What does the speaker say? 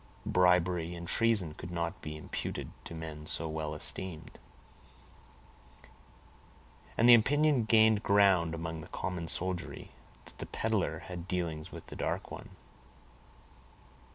Bribery and treason could not be imputed to men so well esteemed, and the opinion gained ground among the common soldiery, that the peddler had dealings with the dark one.